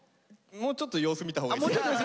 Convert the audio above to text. もうちょっと様子見たほうがいいっすか。